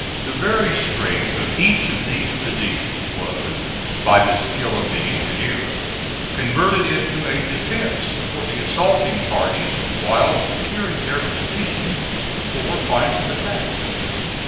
The very strength of each of these positions was, by the skill of the engineers, converted into a defence for the assaulting parties while securing their positions for final attack.